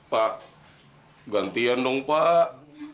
pak gantian dong pak